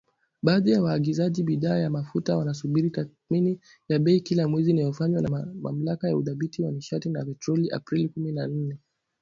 Baadhi ya waagizaji bidhaa ya mafuta wanasubiri tathmini ya bei kila mwezi inayofanywa na Mamlaka ya Udhibiti wa Nishati na Petroli Aprili kumi na nne.